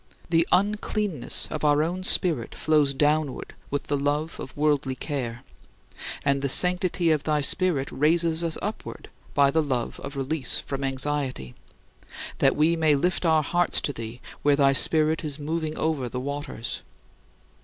The uncleanness of our own spirit flows downward with the love of worldly care; and the sanctity of thy Spirit raises us upward by the love of release from anxiety that we may lift our hearts to thee where thy Spirit is "moving over the waters."